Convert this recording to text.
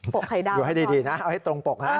ปกไข่ดาวอยู่ให้ดีนะเอาให้ตรงปกนะ